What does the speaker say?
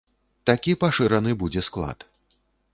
Такі пашыраны будзе склад.